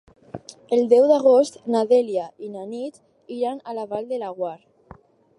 El deu d'agost na Dèlia i na Nit iran a la Vall de Laguar.